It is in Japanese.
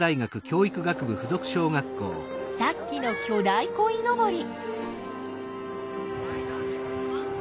さっきの巨大こいのぼり。